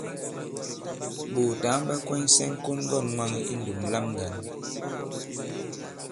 Ɓòòtǎŋ ɓa kwɛnysɛ ŋ̀kon-ŋgɔ̂n mwaŋ i ndùm lam ŋgǎn.